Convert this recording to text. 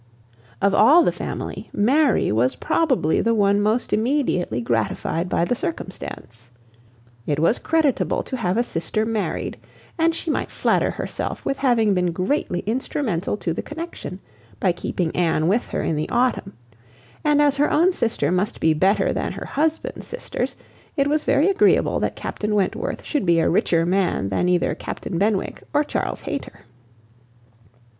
Of all the family, Mary was probably the one most immediately gratified by the circumstance. It was creditable to have a sister married, and she might flatter herself with having been greatly instrumental to the connexion, by keeping Anne with her in the autumn; and as her own sister must be better than her husband's sisters, it was very agreeable that Captain Wentworth should be a richer man than either Captain Benwick or Charles Hayter.